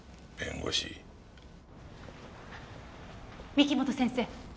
御木本先生。